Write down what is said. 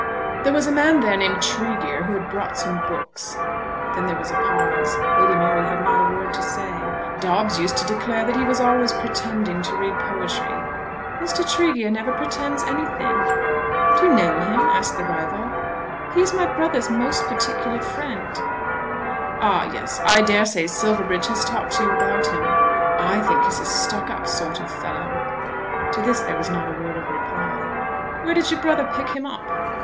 "There was a man there named Tregear who had brought some books." Then there was a pause. Lady Mary had not a word to say. "Dobbes used to declare that he was always pretending to read poetry." "Mr. Tregear never pretends anything." "Do you know him?" asked the rival. "He is my brother's most particular friend." "Ah! yes. I dare say Silverbridge has talked to you about him. I think he's a stuck up sort of fellow." To this there was not a word of reply. "Where did your brother pick him up?"